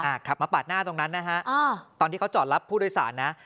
ขับมาปาดหน้าตรงนั้นนะฮะอ่าตอนที่เขาจอดรับผู้โดยสารนะ